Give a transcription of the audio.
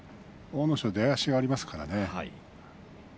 阿武咲は出足がありますからね。